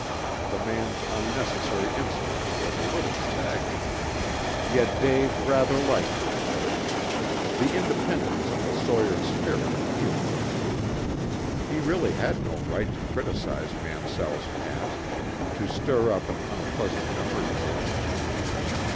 The man's unnecessary insolence was a little staggering. Yet Dave rather liked him for it. The independence of the sawyer's spirit appealed to him. He really had no right to criticize Mansell's past, to stir up an unpleasant memory for him.